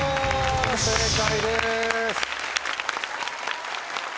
正解です。